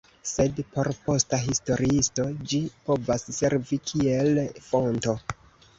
Sed por posta historiisto ĝi povas servi kiel fonto.